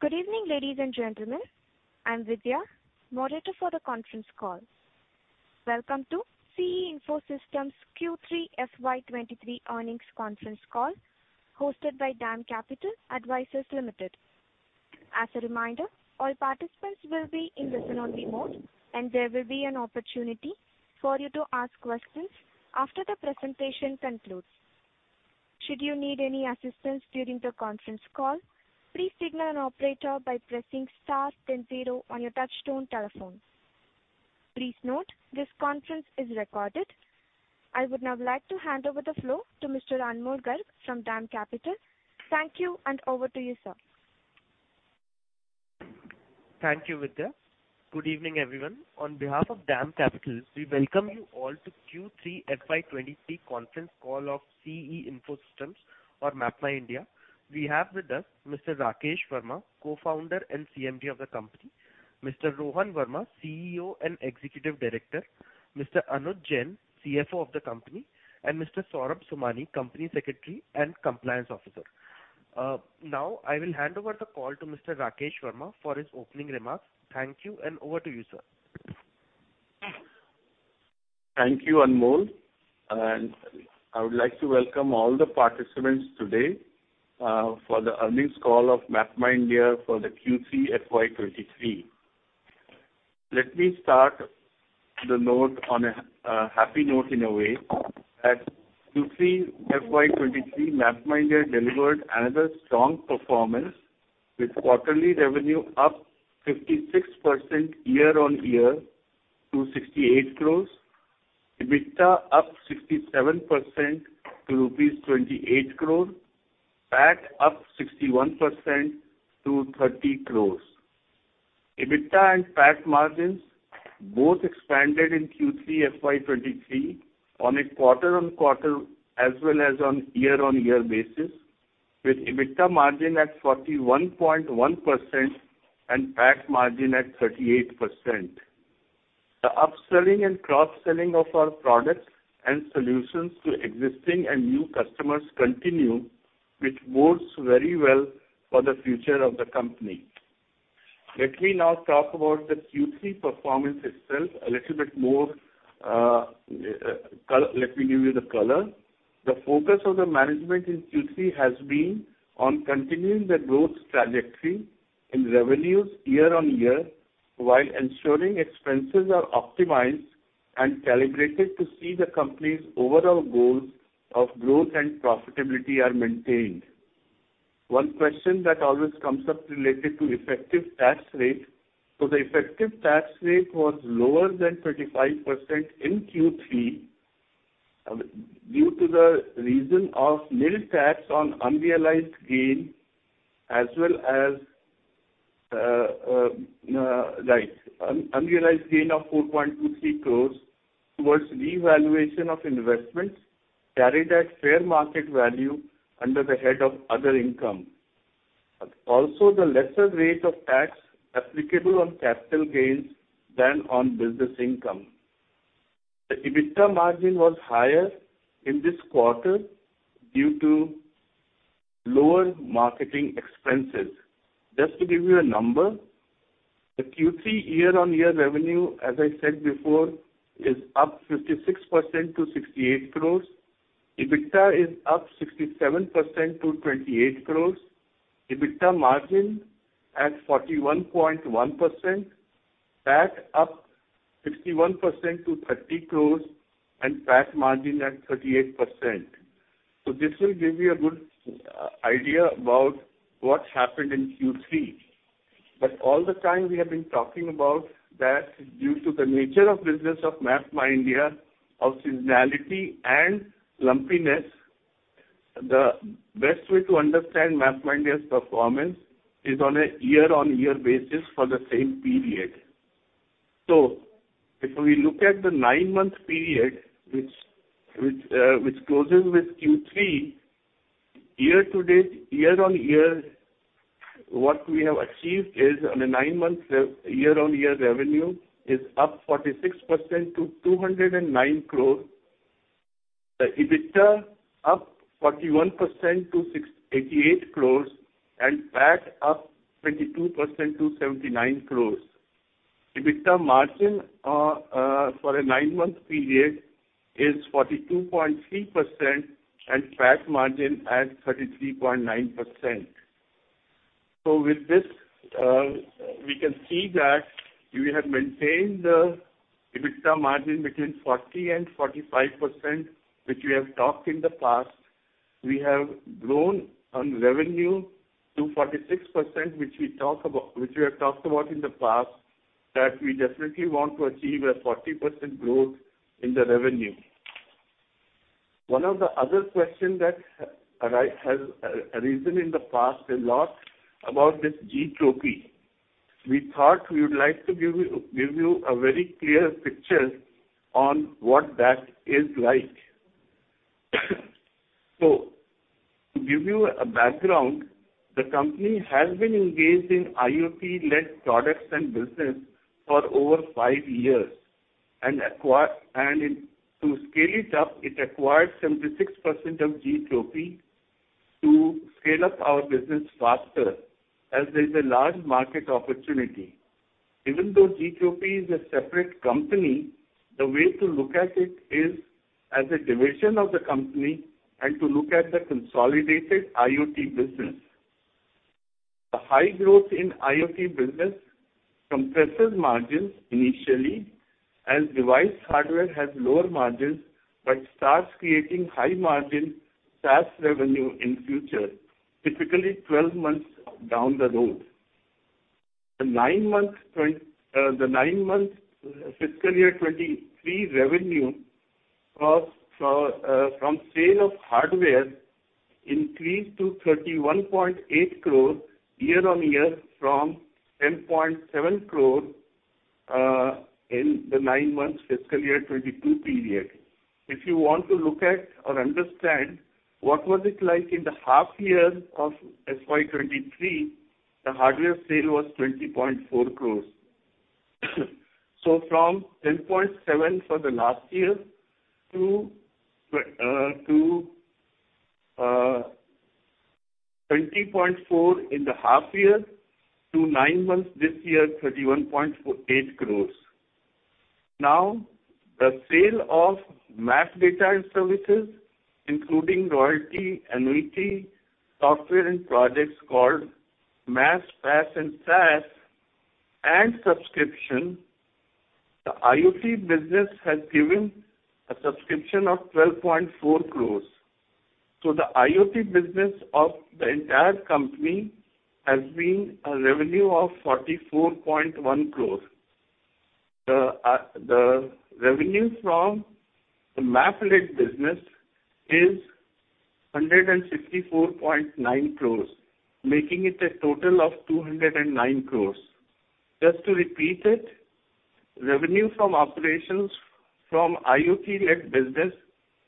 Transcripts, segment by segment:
Good evening, ladies and gentlemen. I'm Vidya, moderator for the conference call. Welcome CE Info Systems q3 FY23 earnings conference call, hosted by DAM Capital Advisors Limited. As a reminder, all participants will be in listen-only mode, and there will be an opportunity for you to ask questions after the presentation concludes. Should you need any assistance during the conference call, please signal an operator by pressing star 0 on your touchtone telephone. Please note, this conference is recorded. I would now like to hand over the floor to Mr. Anmol Garg from DAM Capital. Thank you, and over to you, sir. Thank you, Vidya. Good evening, everyone. On behalf of DAM Capital, we welcome you all to Q3 FY23 conference call CE Info Systems or MapmyIndia. We have with us Mr. Rakesh Verma, Co-founder and CMD of the company, Mr. Rohan Verma, CEO and Executive Director, Mr. Anuj Jain, CFO of the company, and Mr. Saurabh Somani, Company Secretary and Compliance Officer. Now I will hand over the call to Mr. Rakesh Verma for his opening remarks. Thank you, and over to you, sir. Thank you, Anmol. I would like to welcome all the participants today for the earnings call of MapmyIndia for the Q3 FY23. Let me start the note on a happy note in a way that Q3 FY23 MapmyIndia delivered another strong performance with quarterly revenue up 56% year-on-year to 68 crores, EBITDA up 67% to rupees 28 crores, PAT up 61% to 30 crores. EBITDA and PAT margins both expanded in Q3 FY23 on a quarter-on-quarter as well as on year-on-year basis, with EBITDA margin at 41.1% and PAT margin at 38%. The upselling and cross-selling of our products and solutions to existing and new customers continue, which bodes very well for the future of the company. Let me now talk about the Q3 performance itself a little bit more. Let me give you the color. The focus of the management in Q3 has been on continuing the growth trajectory in revenues year-on-year, while ensuring expenses are optimized and calibrated to see the company's overall goals of growth and profitability are maintained. One question that always comes up related to effective tax rate. The effective tax rate was lower than 35% in Q3 due to the reason of nil tax on unrealized gain as well as unrealized gain of 4.23 crores towards revaluation of investments carried at fair market value under the head of other income. Also, the lesser rate of tax applicable on capital gains than on business income. The EBITDA margin was higher in this quarter due to lower marketing expenses. Just to give you a number, the Q3 year-on-year revenue, as I said before, is up 56% to 68 crores. EBITDA is up 67% to 28 crores. EBITDA margin at 41.1%. PAT up 61% to 30 crores, and PAT margin at 38%. This will give you a good idea about what happened in Q3. All the time we have been talking about that due to the nature of business of MapmyIndia, of seasonality and lumpiness, the best way to understand MapmyIndia's performance is on a year-on-year basis for the same period. If we look at the nine-month period, which closes with Q3, year to date, year-on-year, what we have achieved is on a nine-month year-on-year revenue is up 46% to 209 crores. The EBITDA up 41%. 88 crores, and PAT up 22% to 79 crores. EBITDA margin for a nine-month period is 42.3%, and PAT margin at 33.9%. With this, we can see that we have maintained the EBITDA margin between 40% and 45%, which we have talked in the past. We have grown on revenue to 46%, which we have talked about in the past, that we definitely want to achieve a 40% growth in the revenue. One of the other question that has arisen in the past a lot about this Gtropy. We thought we would like to give you a very clear picture on what that is like. To give you a background, the company has been engaged in IoT-led products and business for over five years. To scale it up, it acquired 76% of Gtropy to scale up our business faster as there is a large market opportunity. Even though Gtropy is a separate company, the way to look at it is as a division of the company and to look at the consolidated IoT business. The high growth in IoT business compresses margins initially as device hardware has lower margins, but starts creating high margin SaaS revenue in future, typically 12 months down the road. The 9 months fiscal year 2023 revenue from sale of hardware increased to 31.8 crore year-on-year from 10.7 crore in the 9-month fiscal year 2022 period. If you want to look at or understand what was it like in the half year of FY 2023, the hardware sale was 20.4 crores. From 10.7 for the last year to 20.4 in the half year to 9 months this year, 31.8 crores. The sale of map data and services, including royalty, annuity, software and projects called MaaS, PaaS, and SaaS and subscription, the IoT business has given a subscription of 12.4 crores. The IoT business of the entire company has been a revenue of 44.1 crores. The revenue from the map-led business is 164.9 crores, making it a total of 209 crores. Just to repeat it, revenue from operations from IoT-led business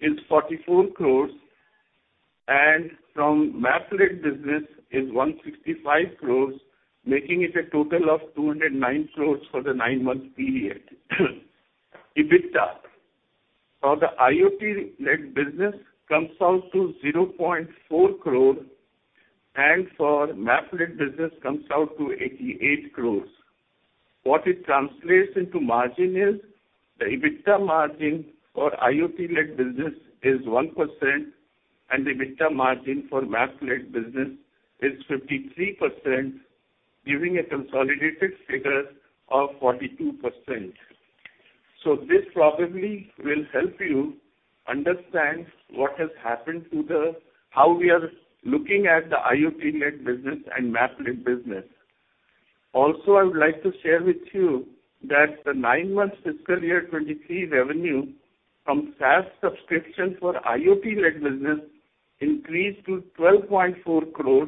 is 44 crores and from map-led business is 165 crores, making it a total of 209 crores for the nine-month period. EBITDA for the IoT-led business comes out to 0.4 crore and for map-led business comes out to 88 crores. What it translates into margin is the EBITDA margin for IoT-led business is 1%, and EBITDA margin for map-led business is 53%, giving a consolidated figure of 42%. This probably will help you understand what has happened to how we are looking at the IoT-led business and map-led business. I would like to share with you that the nine-month fiscal year 2023 revenue from SaaS subscription for IoT-led business increased to 12.4 crore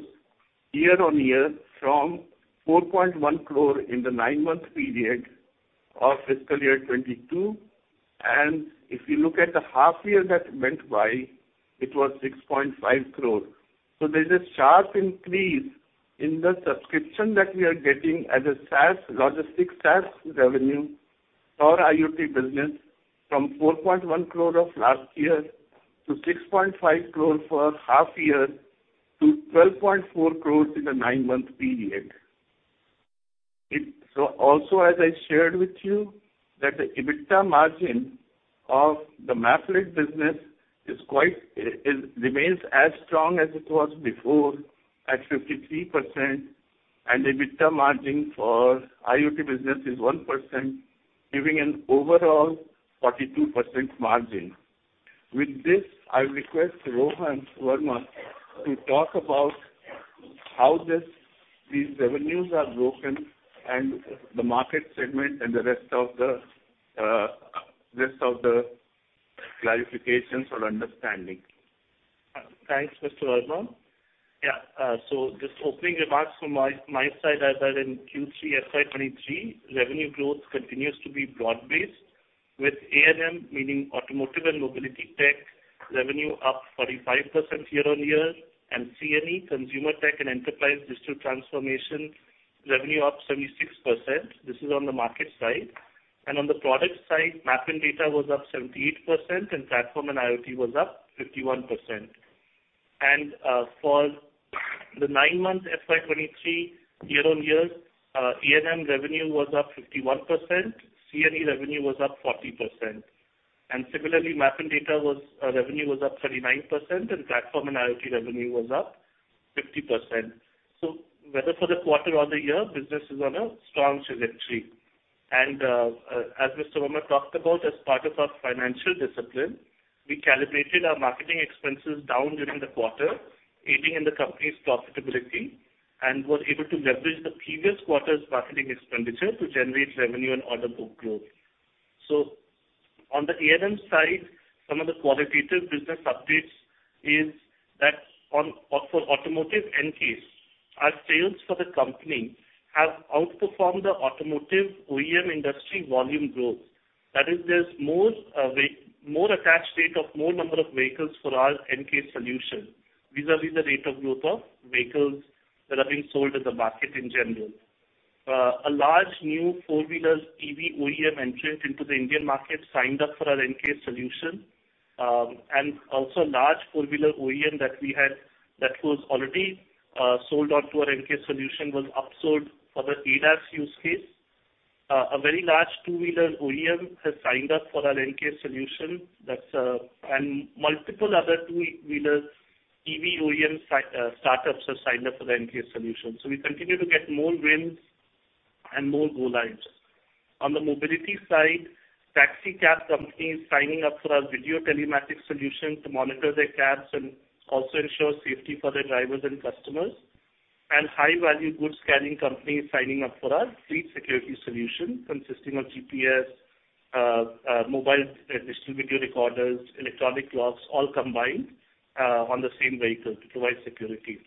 year-on-year from 4.1 crore in the nine-month period of fiscal year 2022. If you look at the half year that went by, it was 6.5 crore. There's a sharp increase in the subscription that we are getting as a logistic SaaS revenue for IoT business from 4.1 crore of last year to 6.5 crore for half year to 12.4 crore in the nine-month period. Also, as I shared with you that the EBITDA margin of the map-led business is quite, it remains as strong as it was before at 53%, and EBITDA margin for IoT business is 1%, giving an overall 42% margin. With this, I request Rohan Verma to talk about how this, these revenues are broken and the market segment and the rest of the rest of the clarifications for understanding. Thanks, Mr. Verma. Yeah, just opening remarks from my side as that in Q3 FY 2023, revenue growth continues to be broad-based, with A&M, meaning Automotive and Mobility tech, revenue up 45% year-on-year and C&E, Consumer Tech and Enterprise Digital Transformation, revenue up 76%. This is on the market side. On the product side, map and data was up 78% and platform and IoT was up 51%. For the 9-month FY 2023 year-on-year, A&M revenue was up 51%, C&E revenue was up 40%. Similarly, map and data was revenue was up 39% and platform and IoT revenue was up 50%. Whether for the quarter or the year, business is on a strong trajectory. As Mr. Verma talked about, as part of our financial discipline, we calibrated our marketing expenses down during the quarter, aiding in the company's profitability and were able to leverage the previous quarter's marketing expenditure to generate revenue and order book growth. On the A&M side, some of the qualitative business updates is that for automotive N-CASE, our sales for the company have outperformed the automotive OEM industry volume growth. That is, there's more attach rate of more number of vehicles for our N-CASE solution, vis-a-vis the rate of growth of vehicles that are being sold in the market in general. A large new four-wheeler EV OEM entrant into the Indian market signed up for our N-CASE solution. Also a large four-wheeler OEM that we had that was already sold onto our N-CASE solution was upsold for the ADAS use case. A very large two-wheeler OEM has signed up for our N-CASE solution. That's multiple other two e-wheelers EV OEM startups have signed up for the N-CASE solution. We continue to get more wins and more go-lives. On the mobility side, taxicab companies signing up for our video telematics solution to monitor their cabs and also ensure safety for their drivers and customers. High-value goods carrying companies signing up for our fleet security solution consisting of GPS, mobile digital video recorders, electronic locks, all combined on the same vehicle to provide security.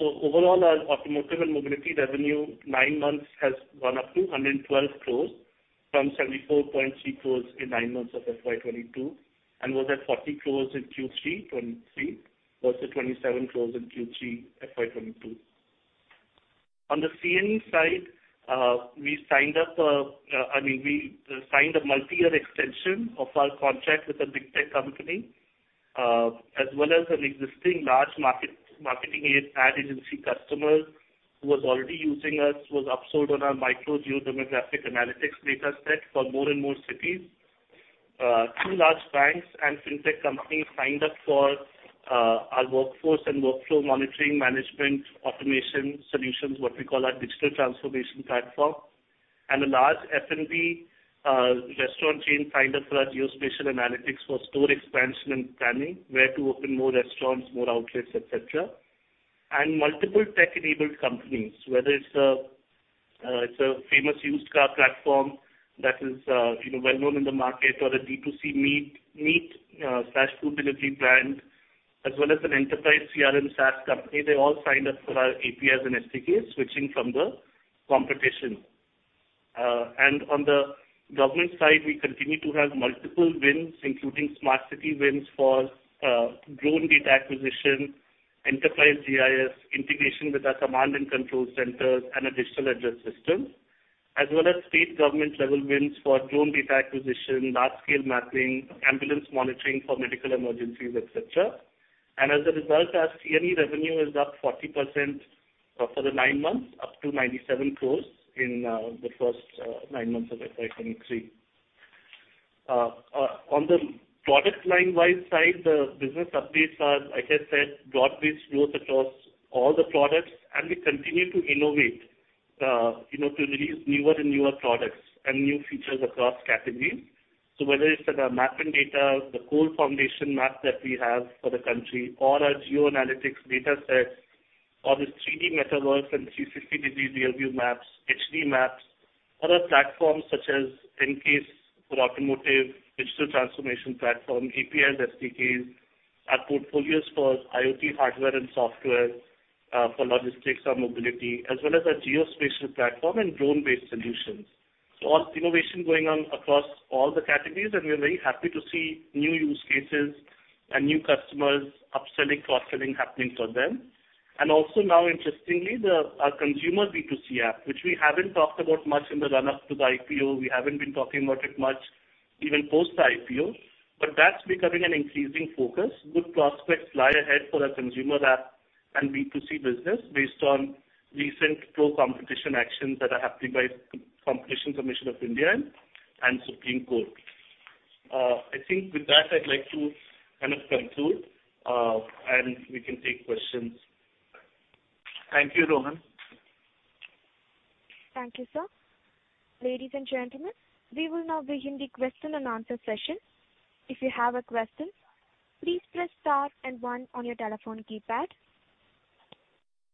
Overall, our automotive and mobility revenue 9 months has gone up to 112 crores from 74.3 crores in 9 months of FY22, and was at 40 crores in Q3 2023 versus 27 crores in Q3 FY22. On the CNE side, we signed a multi-year extension of our contract with a big tech company, as well as an existing large market, marketing ad agency customer who was already using us, was upsold on our micro geo-demographic analytics data set for more and more cities. Two large banks and fintech companies signed up for our workforce and workflow monitoring management automation solutions, what we call our digital transformation platform. A large F&B restaurant chain signed up for our geospatial analytics for store expansion and planning, where to open more restaurants, more outlets, et cetera. Multiple tech-enabled companies, whether it's a, it's a famous used car platform that is, you know, well-known in the market or a D2C meat slash food delivery brand, as well as an enterprise CRM SaaS company. They all signed up for our APIs and SDKs, switching from the competition. On the government side, we continue to have multiple wins, including smart city wins for drone data acquisition, enterprise GIS integration with our command and control centers, and a digital address system. State government-level wins for drone data acquisition, large-scale mapping, ambulance monitoring for medical emergencies, et cetera. As a result, our CNE revenue is up 40% for the 9 months, up to 97 crores in the first 9 months of FY23. On the product line wide side, the business updates are, like I said, broad-based growth across all the products, and we continue to innovate, you know, to release newer and newer products and new features across categories. Whether it's the map and data, the core foundation map that we have for the country or our geoanalytics data sets or the 3D metaverse and 360-degree real view maps, HD maps. Other platforms such as N-CASE for automotive, digital transformation platform, APIs, SDKs, our portfolios for IoT hardware and software for logistics and mobility, as well as our geospatial platform and drone-based solutions. Lots of innovation going on across all the categories, and we are very happy to see new use cases and new customers upselling, cross-selling happening for them. Also now, interestingly, the, our consumer B2C app, which we haven't talked about much in the run-up to the IPO, we haven't been talking about it much even post the IPO, but that's becoming an increasing focus. Good prospects lie ahead for our consumer app and B2C business based on recent pro-competition actions that are happening by the Competition Commission of India and Supreme Court. I think with that, I'd like to kind of conclude, and we can take questions. Thank you, Rohan. Thank you, sir. Ladies and gentlemen, we will now begin the question and answer session. If you have a question, please press star and one on your telephone keypad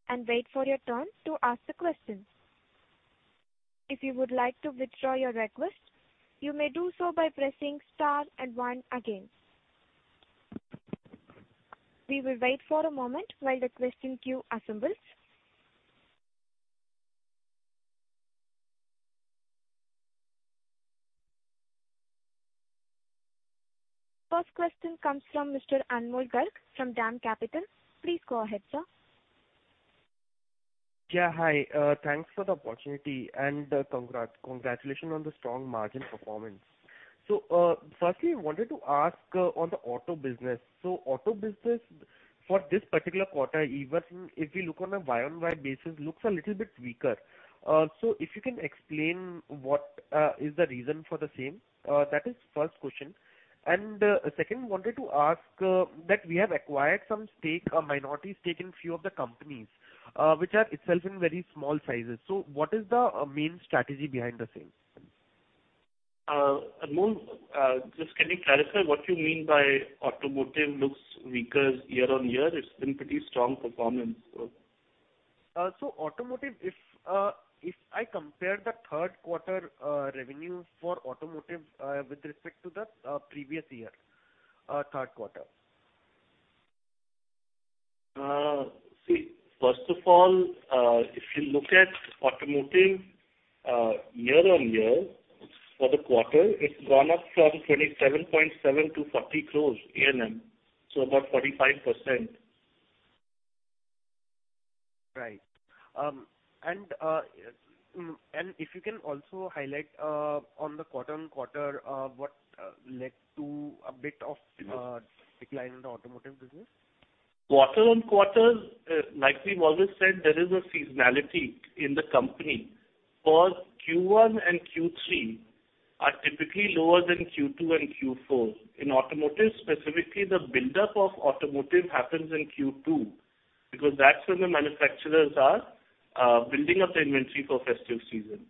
and wait for your turn to ask the question. If you would like to withdraw your request, you may do so by pressing star and one again. We will wait for a moment while the question queue assembles. First question comes from Mr. Anmol Garg from DAM Capital. Please go ahead, sir. Yeah, hi. Thanks for the opportunity and congratulations on the strong margin performance. Firstly, I wanted to ask on the auto business. Auto business for this particular quarter, even if we look on a Y-on-Y basis, looks a little bit weaker. If you can explain what is the reason for the same. That is first question. Second, wanted to ask that we have acquired some stake or minority stake in few of the companies, which are itself in very small sizes. What is the main strategy behind the same? Anmol, just can you clarify what you mean by automotive looks weaker year-on-year? It's been pretty strong performance. Automotive, if I compare the third quarter, revenue for automotive, with respect to the previous year, third quarter. See, first of all, if you look at automotive, year-on-year for the quarter, it's gone up from 27.7 to 40 crores ANM, so about 45%. Right. If you can also highlight on the quarter-on-quarter, what led to a bit of decline in the automotive business. Quarter-on-quarter, like we've always said, there is a seasonality in the company, for Q1 and Q3 are typically lower than Q2 and Q4. In automotive, specifically, the buildup of automotive happens in Q2 because that's when the manufacturers are building up the inventory for festive season.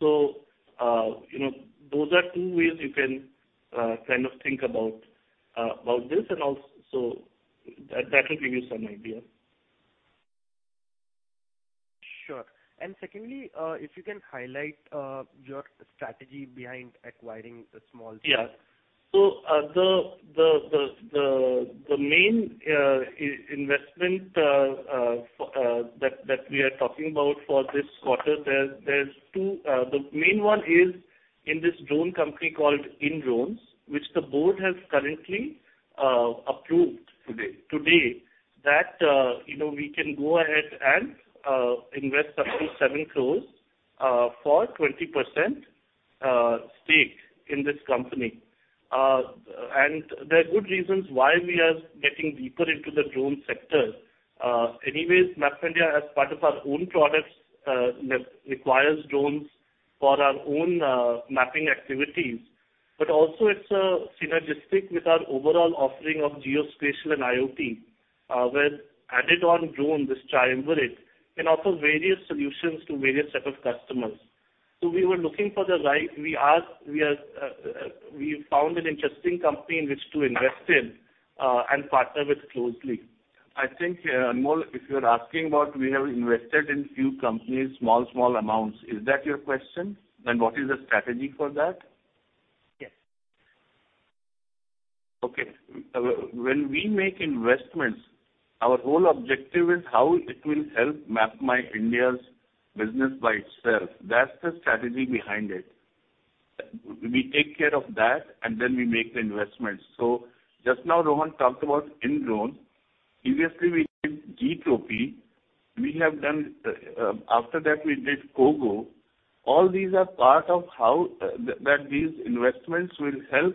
You know, those are two ways you can kind of think about about this and so that will give you some idea. Sure. Secondly, if you can highlight, your strategy behind acquiring the small. The main investment that we are talking about for this quarter, there's two. The main one is in this drone company called Indrones, which the board has currently approved today, that, you know, we can go ahead and invest up to 7 crores for 20% stake in this company. There are good reasons why we are getting deeper into the drone sector. Anyways, MapmyIndia as part of our own products, requires drones for our own mapping activities. Also it's synergistic with our overall offering of geospatial and IoT, where added on drone, this triumvirate, can offer various solutions to various set of customers. We were looking for the right... We are, we have found an interesting company in which to invest in and partner with closely. I think, Anmol, if you're asking what we have invested in few companies, small amounts. Is that your question? What is the strategy for that? Yes. Okay. When we make investments, our whole objective is how it will help MapmyIndia's business by itself. That's the strategy behind it. Then we make the investments. Just now, Rohan talked about Indrones. Previously, we did Gtropy. We have done, after that we did Kogo. All these are part of how that these investments will help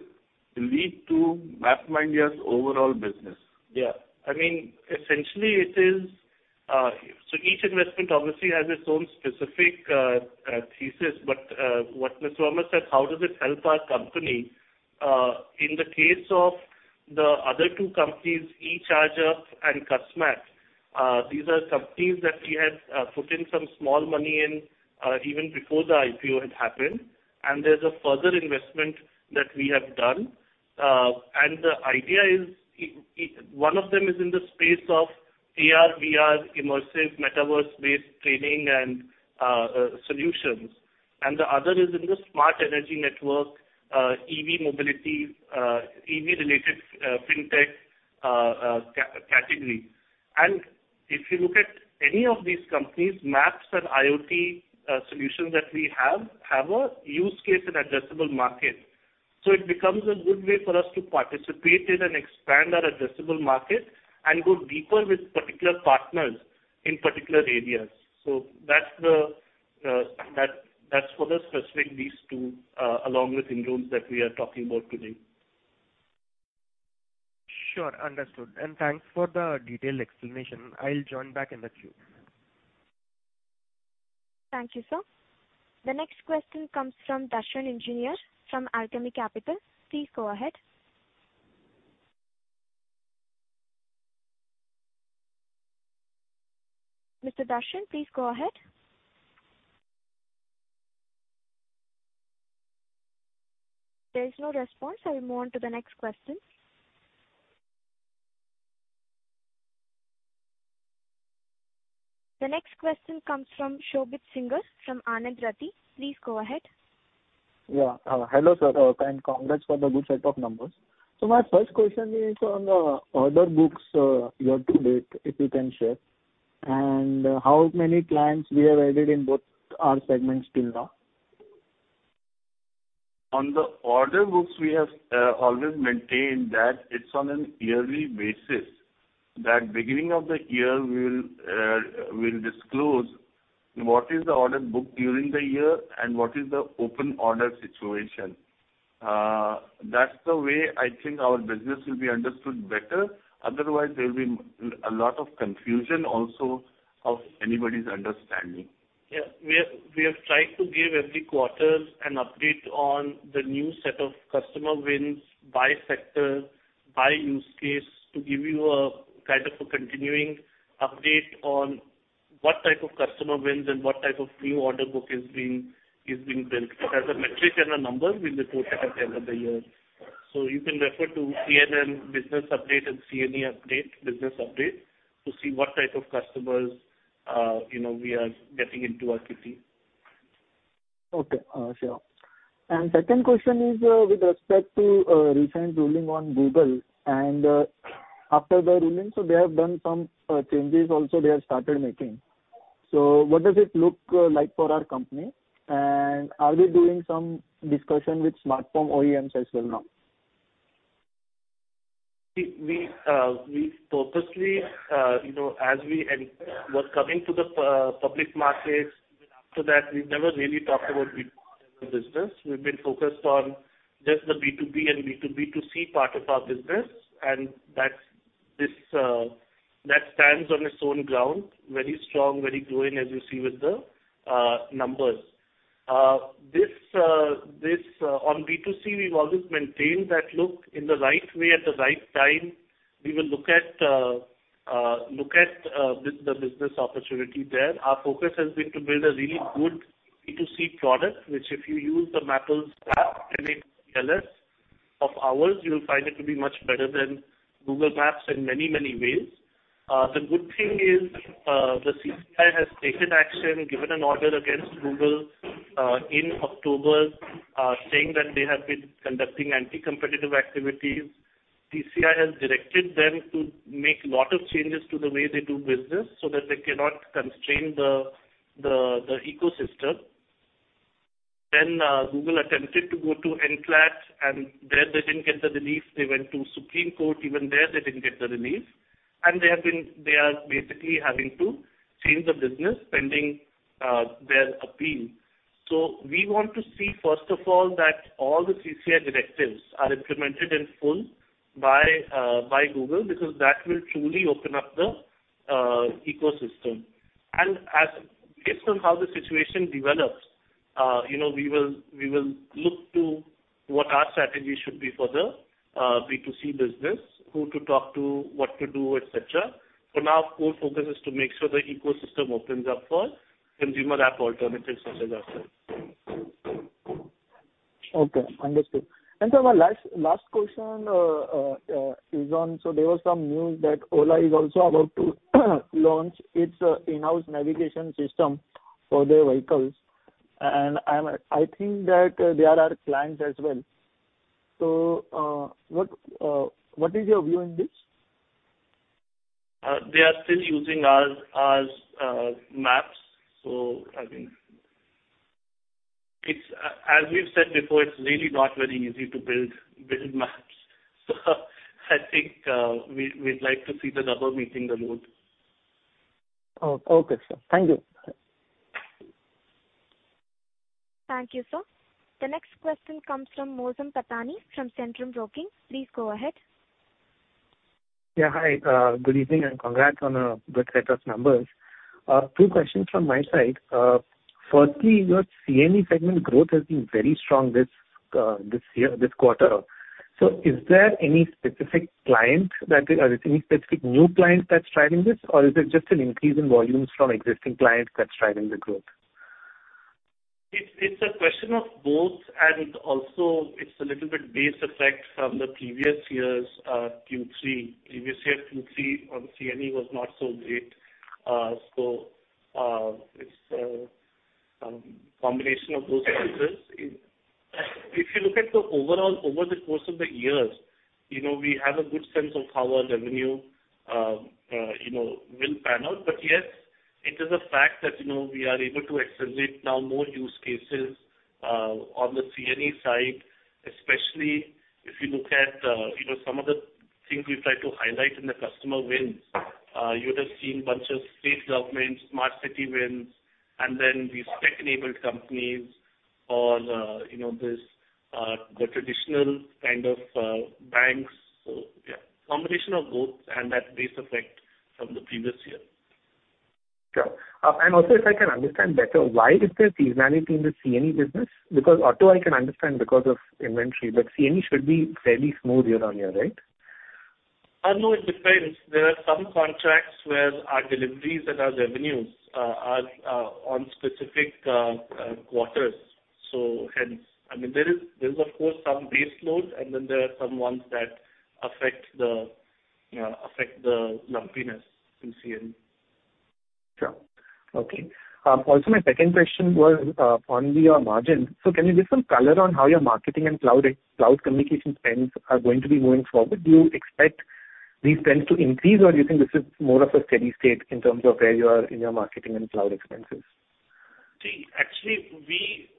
lead to MapmyIndia's overall business. Yeah. I mean, essentially it is, each investment obviously has its own specific thesis, what Mr. Omar said, how does it help our company? In the case of the other two companies, eCharger and Cusmat, these are companies that we had put in some small money in even before the IPO had happened. There's a further investment that we have done. And the idea is one of them is in the space of AR/VR immersive metaverse-based training and solutions. And the other is in the smart energy network, EV mobility, EV-related fintech category. And if you look at any of these companies, maps and IoT solutions that we have a use case and addressable market. So it becomes a good way for us to participate in and expand our addressable market and go deeper with particular partners in particular areas. So that's the, that's for the specific these two, along with Indrones that we are talking about today. Sure. Understood. Thanks for the detailed explanation. I'll join back in the queue. Thank you, sir. The next question comes from Darshan Engineer from Alchemy Capital. Please go ahead. Mr. Darshan, please go ahead. There is no response. I will move on to the next question. The next question comes from Shobit Singhal from Anand Rathi. Please go ahead. Hello, sir, and congrats for the good set of numbers. My first question is on the order books, year-to-date, if you can share. How many clients we have added in both our segments till now? On the order books, we have always maintained that it's on an yearly basis, that beginning of the year we'll disclose what is the order book during the year and what is the open order situation. That's the way I think our business will be understood better. There'll be a lot of confusion also of anybody's understanding. Yeah. We are trying to give every quarter an update on the new set of customer wins by sector, by use case, to give you a kind of a continuing update on what type of customer wins and what type of new order book is being built. As a metric and a number, we report it at the end of the year. You can refer to CNN Business Update and CNA Update, Business Update, to see what type of customers, you know, we are getting into our kitty. Okay. Sure. Second question is with respect to recent ruling on Google and after the ruling, they have done some changes also they have started making. What does it look like for our company? Are we doing some discussion with smartphone OEMs as well now? We purposely, you know, as we were coming to the public markets, even after that, we've never really talked about B2C business. We've been focused on just the B2B and B2B2C part of our business, and that's this that stands on its own ground, very strong, very growing, as you see with the numbers. This on B2C, we've always maintained that look in the right way at the right time. We will look at the business opportunity there. Our focus has been to build a really good B2C product, which if you use the Mappls app, and it tells of ours, you'll find it to be much better than Google Maps in many, many ways. The good thing is, the CCI has taken action, given an order against Google in October, saying that they have been conducting anti-competitive activities. CCI has directed them to make lot of changes to the way they do business so that they cannot constrain the ecosystem. Google attempted to go to NCLAT, and there they didn't get the relief. They went to Supreme Court. Even there, they didn't get the relief. They are basically having to change the business pending their appeal. We want to see, first of all, that all the CCI directives are implemented in full by Google, because that will truly open up the ecosystem. As based on how the situation develops, you know, we will look to what our strategy should be for the B2C business, who to talk to, what to do, et cetera. For now, core focus is to make sure the ecosystem opens up for consumer app alternatives such as ourselves. Okay, understood. Sir, my last question is on so there was some news that Ola is also about to launch its in-house navigation system for their vehicles. I think that they are our clients as well. What is your view in this? They are still using our maps. I mean, it's as we've said before, it's really not very easy to build maps. I think, we'd like to see the rubber meeting the road. Okay, sir. Thank you. Thank you, sir. The next question comes from Mausam Patni from Centrum Broking. Please go ahead. Yeah. Hi. Good evening and congrats on a good set of numbers. Two questions from my side. Firstly, your CNE segment growth has been very strong this year, this quarter. Is there any specific client that, or any specific new client that's driving this? Is it just an increase in volumes from existing clients that's driving the growth? It's a question of both, also it's a little bit base effect from the previous year's Q3. Previous year Q3 on CNE was not so great. It's a combination of those factors. If you look at the overall over the course of the years, you know, we have a good sense of how our revenue, you know, will pan out. Yes, it is a fact that, you know, we are able to accelerate now more use cases on the CNE side, especially if you look at, you know, some of the things we've tried to highlight in the customer wins. You would have seen bunch of state governments, smart city wins, these tech-enabled companies or, you know, this, the traditional kind of banks. Yeah, combination of both and that base effect from the previous year. Sure. Also, if I can understand better, why is there seasonality in the CNE business? Auto I can understand because of inventory, CNE should be fairly smooth year-on-year, right? No, it depends. There are some contracts where our deliveries and our revenues are on specific quarters. Hence, I mean, there is of course some base load, and then there are some ones that affect the lumpiness in CNE. Sure. Okay. Also my second question was on your margin. Can you give some color on how your marketing and cloud communication spends are going to be going forward? Do you expect these spends to increase, or do you think this is more of a steady state in terms of where you are in your marketing and cloud expenses? Actually we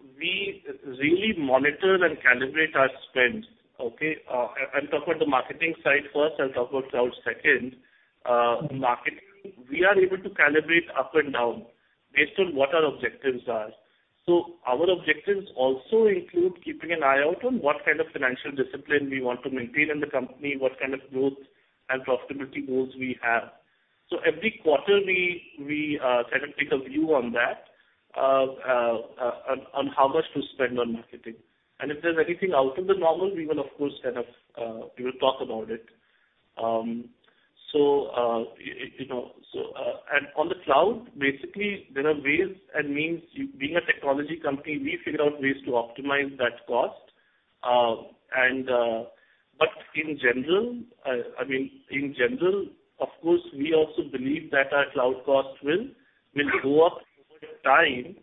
really monitor and calibrate our spends. Okay? I'll talk about the marketing side first, I'll talk about cloud second. Marketing, we are able to calibrate up and down based on what our objectives are. Our objectives also include keeping an eye out on what kind of financial discipline we want to maintain in the company, what kind of growth and profitability goals we have. Every quarter we kind of take a view on that on how much to spend on marketing. If there's anything out of the normal, we will of course kind of, we will talk about it. You know, on the cloud, basically there are ways and means. Being a technology company, we figure out ways to optimize that cost. In general, I mean, in general, of course, we also believe that our cloud cost will go up over time,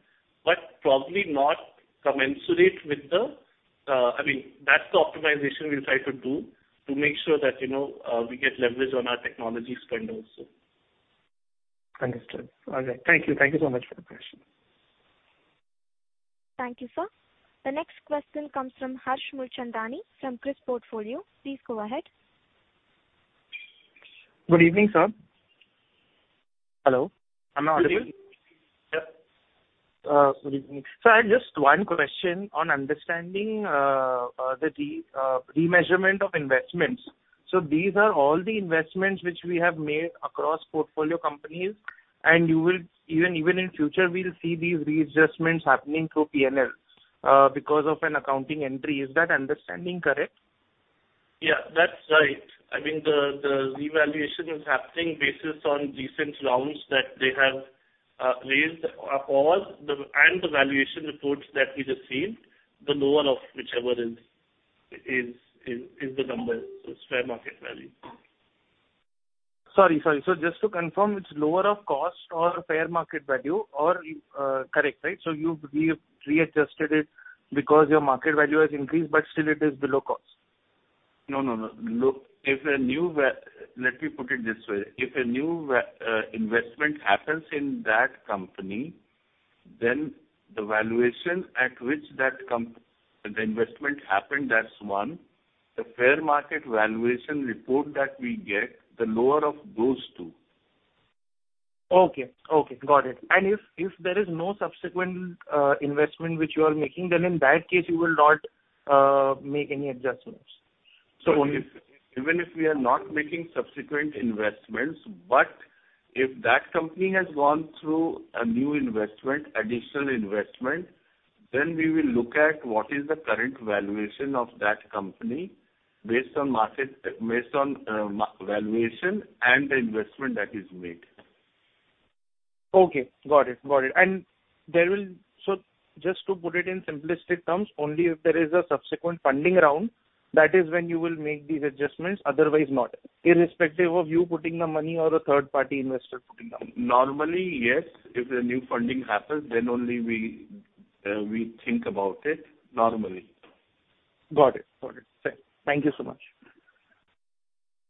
but probably not commensurate with the. I mean, that's the optimization we'll try to do to make sure that, you know, we get leverage on our technology spend also. Understood. All right. Thank you. Thank you so much for the question. Thank you, sir. The next question comes from Harsh Mulchandani from Kriis Portfolio. Please go ahead. Good evening, sir. Hello, am I audible? Good evening. Yep. Good evening. Sir, I have just one question on understanding the remeasurement of investments. These are all the investments which we have made across portfolio companies, and you will even in future, we'll see these readjustments happening through P&L because of an accounting entry. Is that understanding correct? Yeah, that's right. I mean, the revaluation is happening basis on recent rounds that they have raised or the... and the valuation reports that we just seen, the lower of whichever is the number, its fair market value. Sorry, sorry. Just to confirm, it's lower of cost or fair market value or correct. Right? You've readjusted it because your market value has increased, but still it is below cost. No, no. Look, Let me put it this way, if a new investment happens in that company, then the valuation at which that the investment happened, that's one. The fair market valuation report that we get, the lower of those two. Okay. Okay. Got it. If there is no subsequent investment which you are making, then in that case you will not make any adjustments. Even if we are not making subsequent investments, if that company has gone through a new investment, additional investment, then we will look at what is the current valuation of that company based on market, based on valuation and the investment that is made. Okay, got it. Got it. Just to put it in simplistic terms, only if there is a subsequent funding round, that is when you will make these adjustments, otherwise not. Irrespective of you putting the money or a third-party investor putting the money. Normally, yes. If a new funding happens, then only we think about it. Normally. Got it. Got it. Thank you so much.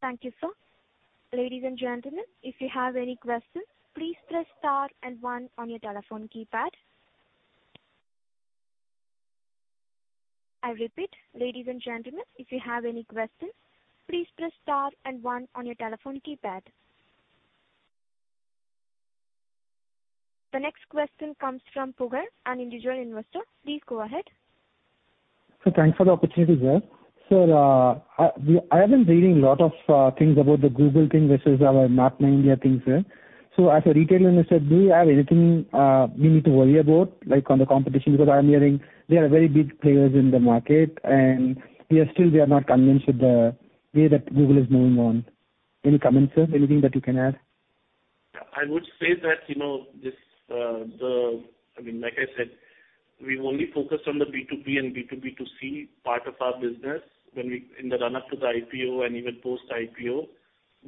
Thank you, sir. Ladies and gentlemen, if you have any questions, please press star and one on your telephone keypad. I repeat, ladies and gentlemen, if you have any questions, please press star and one on your telephone keypad. The next question comes from Pugar, an individual investor. Please go ahead. Sir, thanks for the opportunity, sir. Sir, I have been reading lot of things about the Google thing versus our MapmyIndia things here. As a retail investor, do you have anything we need to worry about, like, on the competition? Because I'm hearing they are very big players in the market, and we are still, we are not convinced with the way that Google is moving on. Any comments, sir? Anything that you can add? I would say that, you know, this, the... I mean, like I said, we've only focused on the B2B and B2B2C part of our business when in the run-up to the IPO and even post-IPO. This,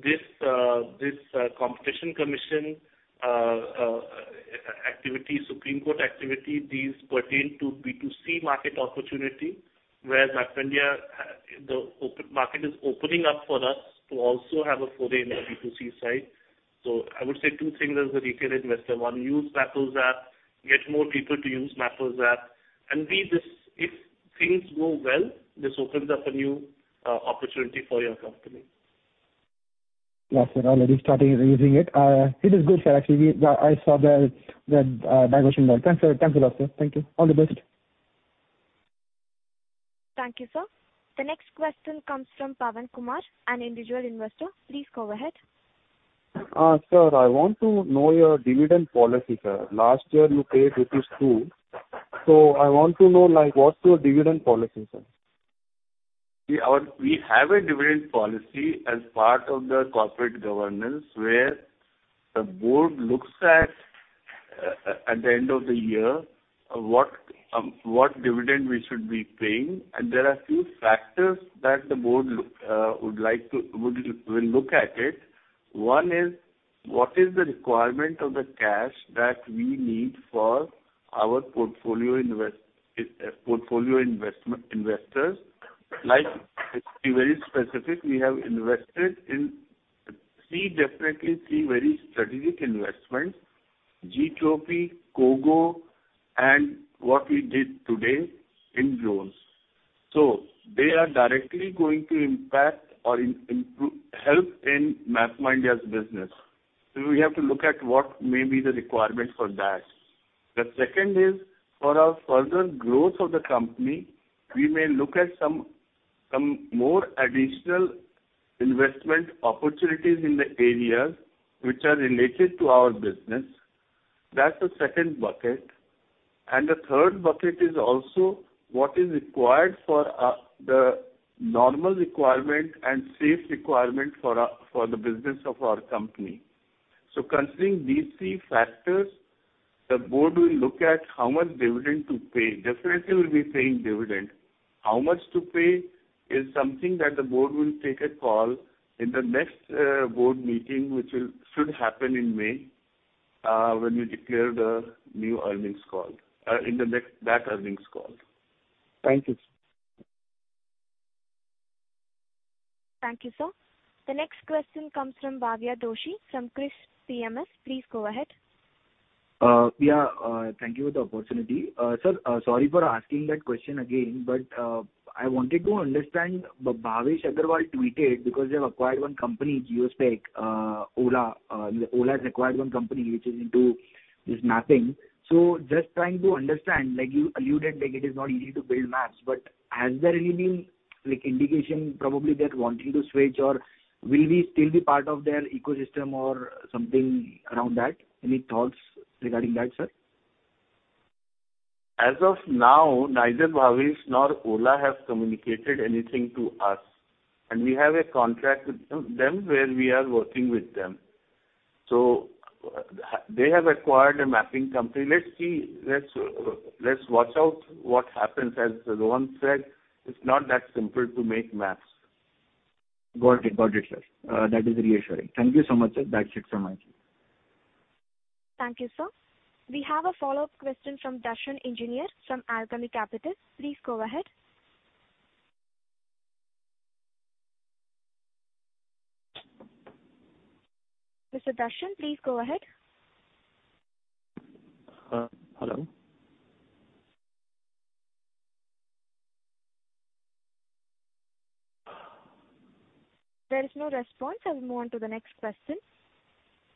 this Competition Commission activity, Supreme Court activity, these pertain to B2C market opportunity, whereas MapmyIndia, the open, market is opening up for us to also have a foray in the B2C side. I would say two things as a retail investor. One, use Mappls app, get more people to use Mappls app, and be this, if things go well, this opens up a new opportunity for your company. Yeah, sir. Already starting using it. It is good, sir. Actually, I saw the diversion map. Thanks, sir. Thanks a lot, sir. Thank you. All the best. Thank you, sir. The next question comes from Pawan Kumar, an individual investor. Please go ahead. Sir, I want to know your dividend policy, sir. Last year you paid INR 2. I want to know, like, what's your dividend policy, sir? We have a dividend policy as part of the corporate governance, where the board looks at the end of the year, what dividend we should be paying. There are few factors that the board would like to, will look at it. One is, what is the requirement of the cash that we need for our portfolio investment investors. Like, to be very specific, we have invested in 3, definitely 3 very strategic investments, Gtropy, Kogo, and what we did today in Indrones. They are directly going to impact or help in MapmyIndia's business. We have to look at what may be the requirement for that. The second is, for our further growth of the company, we may look at some more additional investment opportunities in the areas which are related to our business. That's the second bucket. The third bucket is also what is required for the normal requirement and safe requirement for the business of our company. Considering these three factors, the board will look at how much dividend to pay. Definitely we'll be paying dividend. How much to pay is something that the board will take a call in the next board meeting, which should happen in May, when we declare the new earnings call, that earnings call. Thank you. Thank you, sir. The next question comes from Bhavya Doshi, from Kriis PMS. Please go ahead. Yeah. Thank you for the opportunity. Sir, sorry for asking that question again, but I wanted to understand, Bhavish Aggarwal tweeted because they have acquired one company, GeoSpoc, Ola. Ola has acquired one company which is into this mapping. Just trying to understand, like you alluded, like it is not easy to build maps, but has there really been, like, indication probably they're wanting to switch, or will we still be part of their ecosystem or something around that? Any thoughts regarding that, sir? As of now, neither Bhavish nor Ola have communicated anything to us. We have a contract with them, where we are working with them. They have acquired a mapping company. Let's see. Let's watch out what happens. As Rohan said, it's not that simple to make maps. Got it. Got it, sir. That is reassuring. Thank you so much, sir. That's it from my end. Thank you, sir. We have a follow-up question from Darshan Engineer from Alchemy Capital. Please go ahead. Mr. Darshan, please go ahead. Hello. There is no response. I will move on to the next question.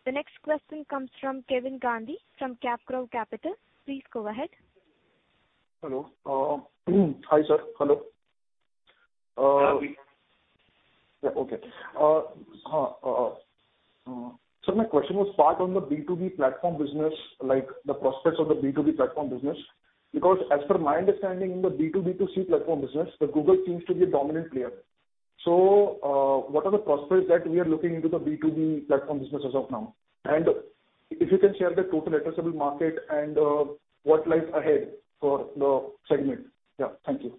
The next question comes from Kevin Gandhi from CapGrow Capital. Please go ahead. Hello. Hi, sir. Hello? Okay. Sir, my question was part on the B2B platform business, like the prospects of the B2B platform business. As per my understanding in the B2B2C platform business, the Google seems to be a dominant player. What are the prospects that we are looking into the B2B platform business as of now? If you can share the total addressable market and what lies ahead for the segment? Thank you.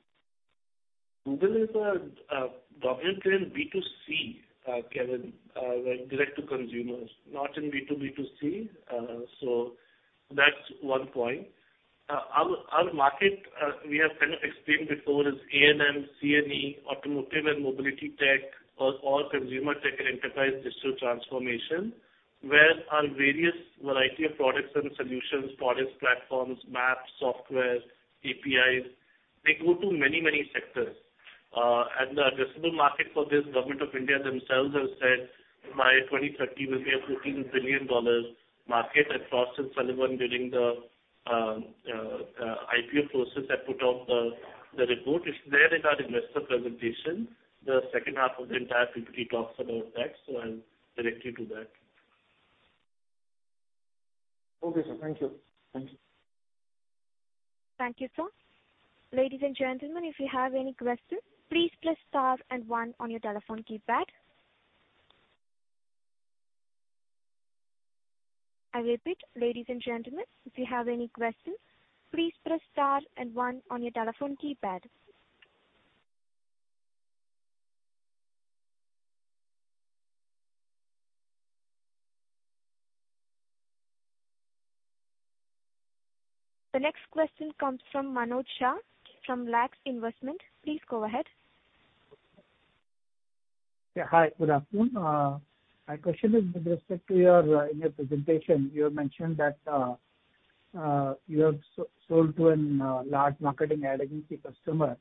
Google is a dominant player in B2C, Kevin, like direct to consumers, not in B2B2C. That's one point. Our market we have explained before is ANM, CNE, automotive and mobility tech or consumer tech and enterprise digital transformation. Where our various variety of products and solutions, products, platforms, maps, softwares, APIs, they go to many, many sectors. The addressable market for this, Government of India themselves have said by 2030 will be a $14 billion market. Frost & Sullivan during the IPO process have put out the report. It's there in our investor presentation. The second half of the entire PPT talks about that. I'll direct you to that. Okay, sir. Thank you. Thank you. Thank you, sir. Ladies and gentlemen, if you have any questions, please press star and one on your telephone keypad. I repeat. Ladies and gentlemen, if you have any questions, please press star and one on your telephone keypad. The next question comes from Manoj Shah from Laxmi Investments. Please go ahead. Yeah. Hi. Good afternoon. My question is with respect to your, in your presentation, you have mentioned that, you have sold to an large marketing ad agency customer,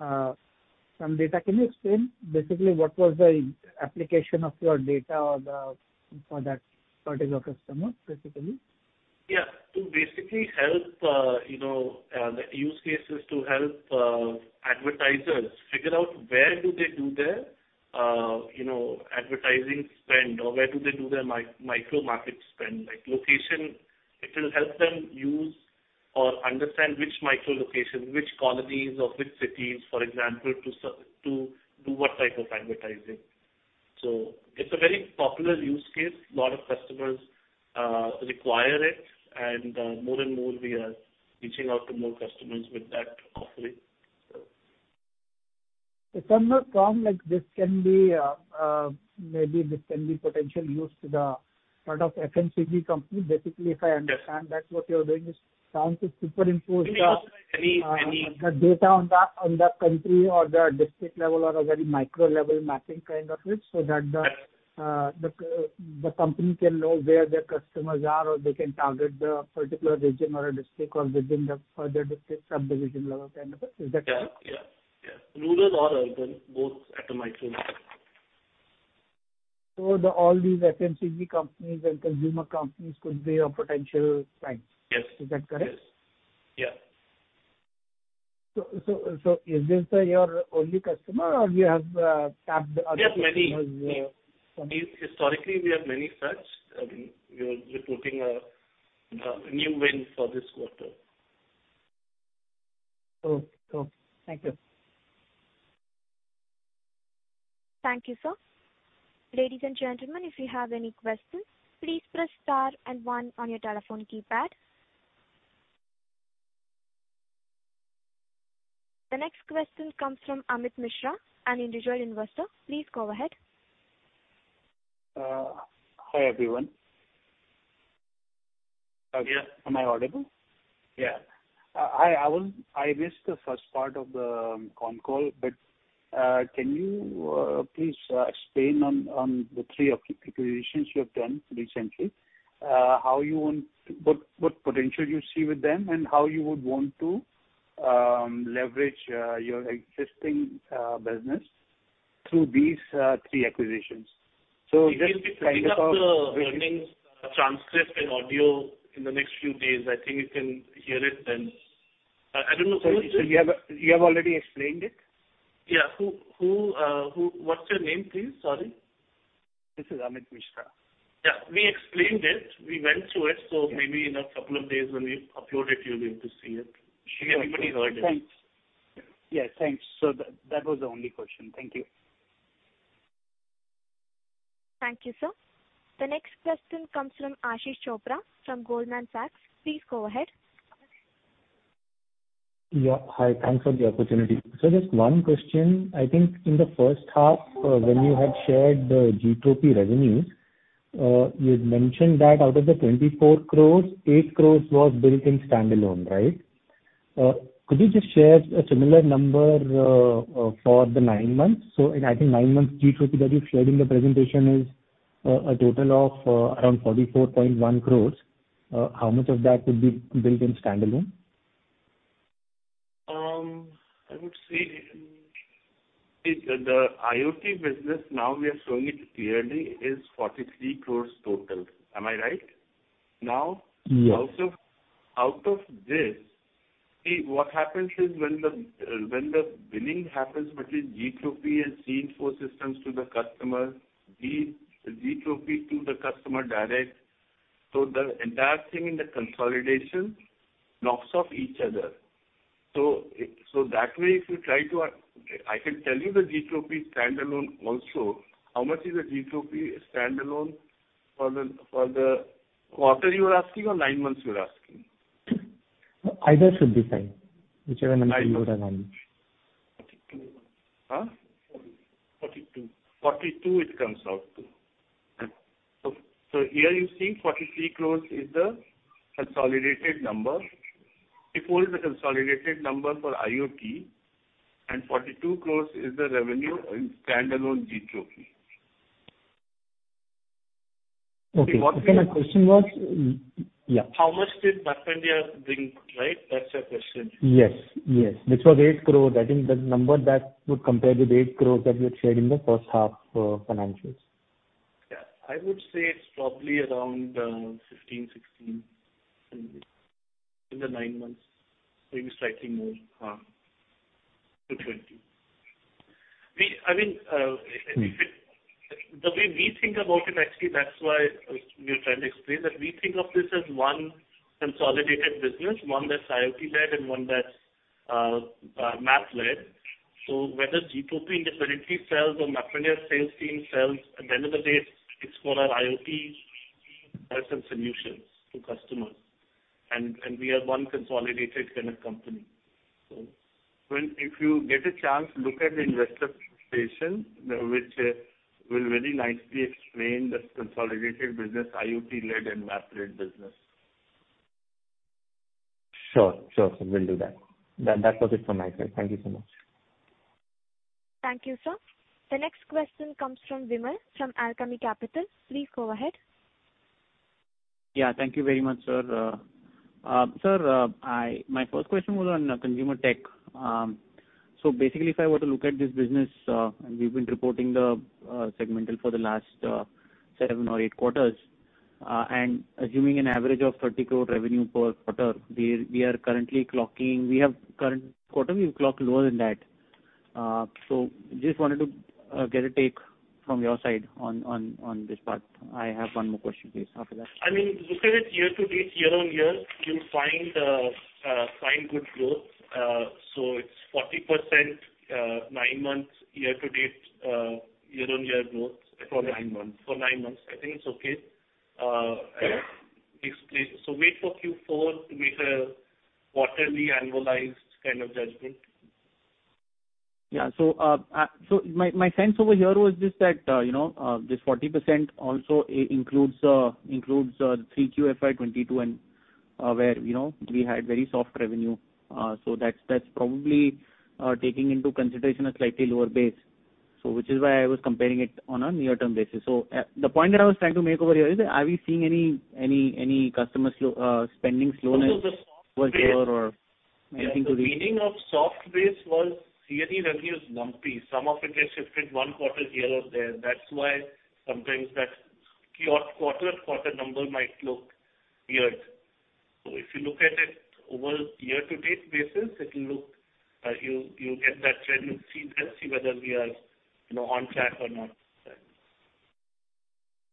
some data. Can you explain basically what was the application of your data or for that particular customer, specifically? Yeah. To basically help, you know, the use case is to help advertisers figure out where do they do their, you know, advertising spend or where do they do their micro-market spend, like location. It will help them use or understand which micro location, which colonies or which cities, for example, to do what type of advertising. It's a very popular use case. A lot of customers require it. More and more we are reaching out to more customers with that offering. If I'm not wrong, like this can be, maybe this can be potentially used to the sort of FMCG company. Basically, if I understand that's what you're doing is trying to superimpose the. We negotiate very many- The data on the country or the district level or a very micro level mapping kind of it. Yes. the company can know where their customers are or they can target the particular region or a district or within the further district, sub-region level kind of a... Is that true? Yeah. Yeah. Yeah. Rural or urban, both at a micro level. All these FMCG companies and consumer companies could be your potential clients. Yes. Is that correct? Yes. Yeah. Is this your only customer or you have tapped other customers? We have many. Historically, we have many such. I mean, we were reporting a new win for this quarter. Cool, cool. Thank you. Thank you, sir. Ladies and gentlemen, if you have any questions, please press star and one on your telephone keypad. The next question comes from Amit Mishra, an individual investor. Please go ahead. Hi, everyone. Yeah. Am I audible? Yeah. I missed the first part of the conf call. Can you please explain on the 3 acquisitions you have done recently, what potential you see with them and how you would want to leverage your existing business through these 3 acquisitions? We will be putting up the earnings transcript and audio in the next few days. I think you can hear it then. I don't know. You have already explained it? Yeah. Who, What's your name, please? Sorry. This is Amit Mishra. Yeah, we explained it. We went through it. Yeah. Maybe in a couple of days when we upload it, you'll be able to see it. I'm sure everybody heard it. Thanks. Yeah, thanks. That was the only question. Thank you. Thank you, sir. The next question comes from Ashish Chopra from Goldman Sachs. Please go ahead. Yeah. Hi. Thanks for the opportunity. Just 1 question. I think in the first half, when you had shared the Gtropy revenues, you had mentioned that out of the 24 crores, 8 crores was built in standalone, right? Could you just share a similar number for the 9 months? I think 9 months Gtropy that you've shared in the presentation is a total of around 44.1 crores. How much of that would be built in standalone? I would say the IoT business now we are showing it clearly is 43 crores total. Am I right now? Yes. Out of this, see, what happens is when the when the billing happens between Gtropy CE Info Systems to the customer, Gtropy to the customer direct, so the entire thing in the consolidation knocks off each other. That way, if you try to. I can tell you the Gtropy standalone also. How much is the Gtropy standalone for the, for the quarter you are asking or nine months you are asking? Either should be fine. Whichever number you would have. Nine months. 42. Huh? Forty-two. 42. 42 it comes out to. Here you see 43 crores is the consolidated number. 44 is the consolidated number for IoT, 42 crores is the revenue in standalone Gtropy. Okay. See what- The question was. Yeah. How much did MapmyIndia bring, right? That's your question. Yes. Yes. Which was 8 crores. I think the number that would compare with 8 crores that we had shared in the first half financials. Yeah. I would say it's probably around 15, 16 in the 9 months, maybe slightly more to 20. I mean, the way we think about it, actually, that's why we are trying to explain that we think of this as one consolidated business, one that's IoT-led and one that's map-led. So whether Gtropy independently sells or MapmyIndia sales team sells, at the end of the day it's called our IoT as a solution to customers. And we are one consolidated kind of company. If you get a chance, look at the investor presentation, which will very nicely explain this consolidated business, IoT-led and map-led business. Sure. Sure, sir. Will do that. That was it from my side. Thank you so much. Thank you, sir. The next question comes from Vimal from Alchemy Capital. Please go ahead. Yeah. Thank you very much, sir. Sir, My first question was on consumer tech. Basically if I were to look at this business, and we've been reporting the segmental for the last seven or eight quarters, and assuming an average of 30 crore revenue per quarter, we are currently clocking. We have current quarter, we've clocked lower than that. Just wanted to get a take from your side on this part. I have one more question please after that. I mean, look at it year-to-date, year-on-year, you'll find good growth. It's 40%, 9 months year-to-date, year-on-year growth. For nine months. For 9 months. I think it's okay. Wait for Q4 to make a quarterly annualized kind of judgment. My sense over here was just that, you know, this 40% also includes 3Q FY22 and where, you know, we had very soft revenue. So that's probably taking into consideration a slightly lower base. So which is why I was comparing it on a near-term basis. The point that I was trying to make over here is that are we seeing any customer spending slowness? The soft base. Over here or anything to read? Yeah. The meaning of soft base was yearly revenue is lumpy. Some of it gets shifted 1 quarter here or there. That's why sometimes that quarter-to-quarter number might look weird. If you look at it over year-to-date basis, it'll look, you'll get that trend and see then, see whether we are, you know, on track or not.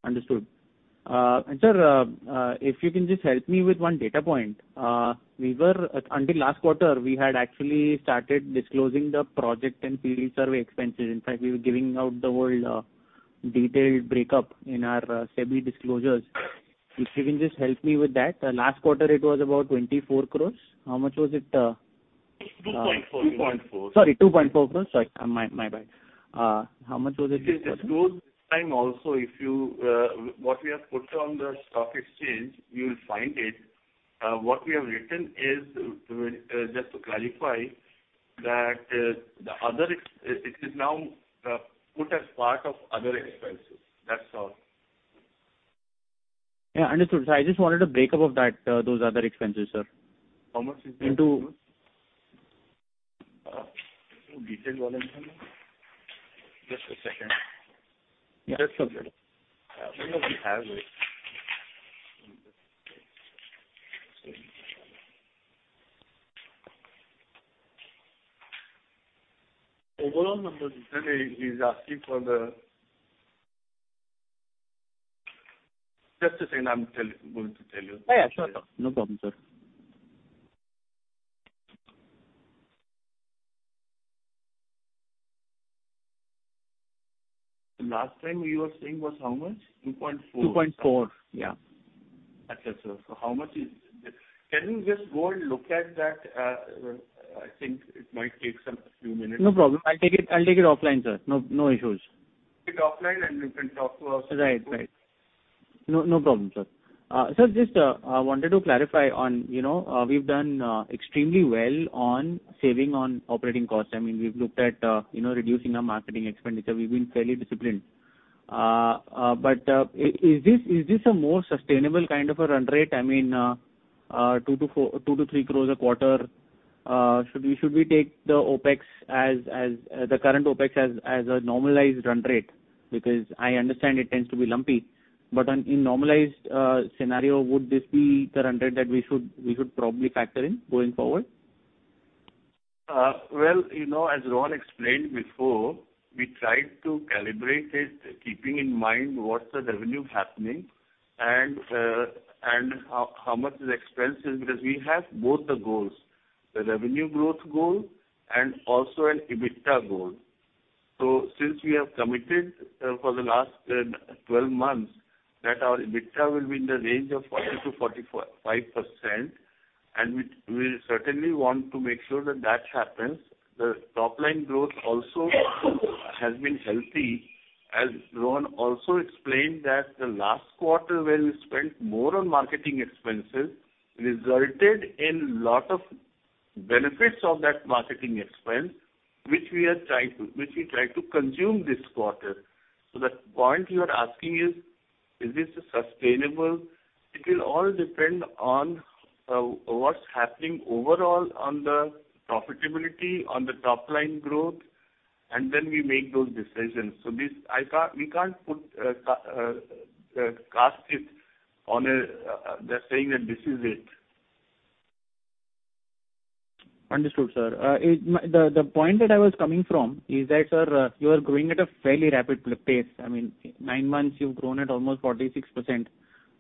Understood. Sir, if you can just help me with one data point. We were, until last quarter, we had actually started disclosing the project and period survey expenses. In fact, we were giving out the whole detailed breakup in our SEBI disclosures. If you can just help me with that. Last quarter, it was about 24 crores. How much was it? 2.4. Sorry, 2.4 crores. Sorry, my bad. How much was it this quarter? It is disclosed this time also. If you, what we have put on the stock exchange, you'll find it. What we have written is just to clarify that it is now put as part of other expenses. That's all. Yeah, understood. I just wanted a breakup of that, those other expenses, sir. How much? Into... detailed one and only. Just a second. That's okay. I don't know if we have it. Overall numbers. He's asking. Just a second. I'm going to tell you. Yeah, sure, sir. No problem, sir. Last time you were saying was how much? 2.4. 2.4. Yeah. Okay, sir. How much is this? Can you just go and look at that? I think it might take some few minutes. No problem. I'll take it, I'll take it offline, sir. No, no issues. Take it offline, and you can talk to us. Right. Right. No, no problem, sir. Sir, just, I wanted to clarify on, you know, we've done extremely well on saving on operating costs. I mean, we've looked at, you know, reducing our marketing expenditure. We've been fairly disciplined. Is this a more sustainable kind of a run rate? I mean, 2-3 crores a quarter. Should we take the OpEx as the current OpEx as a normalized run rate? Because I understand it tends to be lumpy, but on in normalized scenario, would this be the run rate that we should, we should probably factor in going forward? Well, you know, as Rohan explained before, we tried to calibrate it, keeping in mind what's the revenue happening and how much is expenses, because we have both the goals, the revenue growth goal and also an EBITDA goal. Since we have committed for the last 12 months that our EBITDA will be in the range of 40%-45%, and we certainly want to make sure that that happens. The top line growth also has been healthy. As Rohan also explained that the last quarter where we spent more on marketing expenses resulted in lot of benefits of that marketing expense which we tried to consume this quarter. The point you are asking is this sustainable? It will all depend on what's happening overall on the profitability, on the top line growth, and then we make those decisions. This we can't put, cast it on a, just saying that this is it. Understood, sir. the point that I was coming from is that, sir, you are growing at a fairly rapid pace. I mean, 9 months you've grown at almost 46%.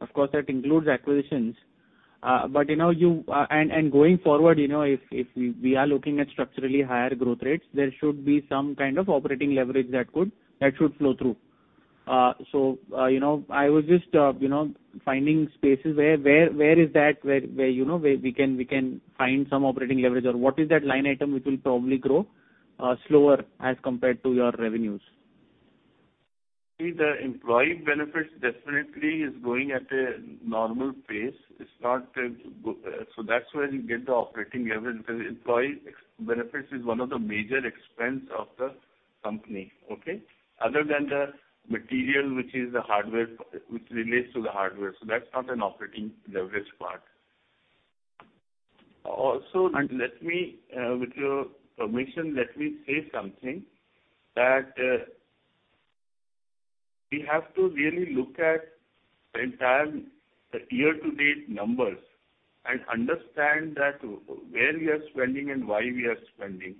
Of course, that includes acquisitions. you know, you, and going forward, you know, if we are looking at structurally higher growth rates, there should be some kind of operating leverage that could, that should flow through. you know, I was just, you know, finding spaces where, where is that where, you know, where we can, we can find some operating leverage or what is that line item which will probably grow, slower as compared to your revenues. The employee benefits definitely is growing at a normal pace. It's not so that's where you get the operating leverage, because employee benefits is one of the major expense of the company. Okay? Other than the material which is the hardware, which relates to the hardware. That's not an operating leverage part. Also, and let me with your permission, let me say something that we have to really look at the entire year-to-date numbers and understand that where we are spending and why we are spending.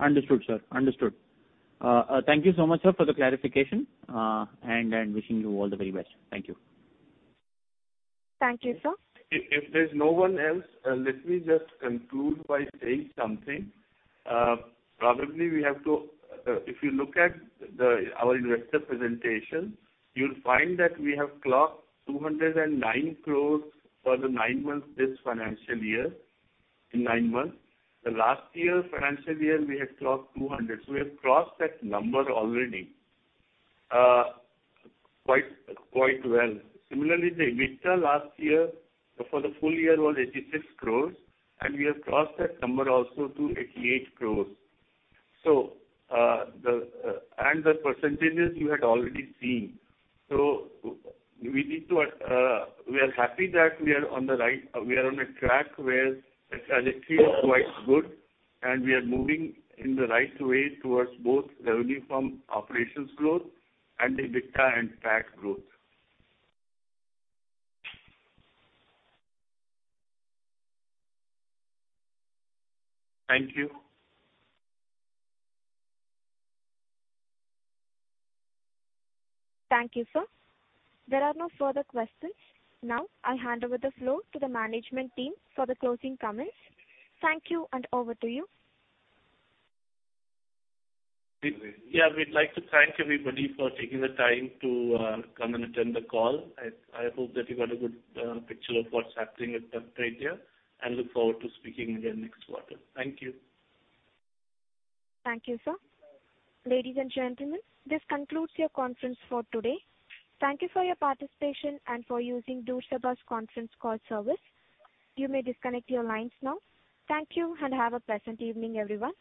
Understood, sir. Understood. Thank you so much, sir, for the clarification. I'm wishing you all the very best. Thank you. Thank you, sir. If there's no one else, let me just conclude by saying something. If you look at our investor presentation, you'll find that we have clocked 209 crores for the 9 months this financial year, in 9 months. The last year financial year we had clocked 200 crores. We have crossed that number already, quite well. Similarly, the EBITDA last year for the full year was 86 crores, and we have crossed that number also to 88 crores. The percentages you had already seen. We need to, we are happy that we are on the right, we are on a track where it feels quite good, and we are moving in the right way towards both revenue from operations growth and EBITDA and PAT growth. Thank you. Thank you, sir. There are no further questions. Now I hand over the floor to the management team for the closing comments. Thank you, and over to you. Yeah, we'd like to thank everybody for taking the time to come and attend the call. I hope that you got a good picture of what's happening with us right here, and look forward to speaking again next quarter. Thank you. Thank you, sir. Ladies and gentlemen, this concludes your conference for today. Thank you for your participation and for using Chorus Call's conference call service. You may disconnect your lines now. Thank you, and have a pleasant evening, everyone.